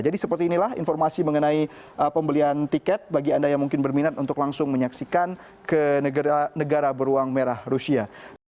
jadi seperti inilah informasi mengenai pembelian tiket bagi anda yang mungkin berminat untuk langsung menyaksikan ke negara beruang merah rusia